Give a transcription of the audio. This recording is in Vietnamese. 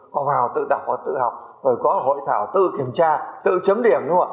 họ vào tự đọc họ tự học rồi có hội thảo tự kiểm tra tự chấm điểm